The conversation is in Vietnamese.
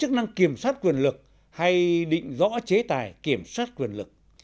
chức năng kiểm soát quyền lực hay định rõ chế tài kiểm soát quyền lực